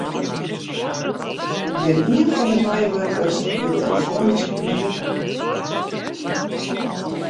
Gjinien fan de meiwurkers wie telefoanysk te berikken.